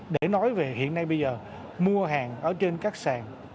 để nói về hiện nay bây giờ mua hàng ở trên các sàn